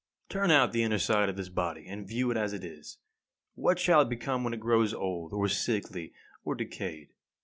21. Turn out the inner side of this body, and view it as it is. What shall it become when it grows old, or sickly, or decayed?